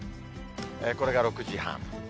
これが６時半。